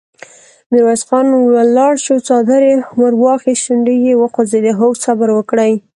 ميرويس خان ولاړ شو، څادر يې ور واخيست، شونډې يې وخوځېدې: هو! صبر وکړئ!